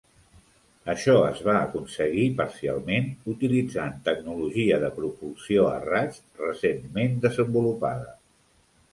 Això es va aconseguir parcialment utilitzant tecnologia de propulsió a raig recentment desenvolupada.